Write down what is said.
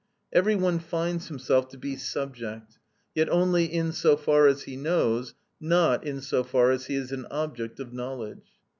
Every one finds himself to be subject, yet only in so far as he knows, not in so far as he is an object of knowledge.